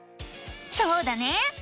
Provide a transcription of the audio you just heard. そうだね！